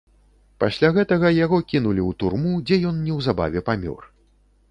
Пасля гэтага яго кінулі ў турму, дзе ён неўзабаве памёр.